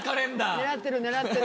狙ってる狙ってる。